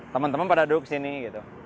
teman teman pada duduk di sini gitu